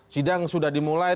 sidang sudah dimulai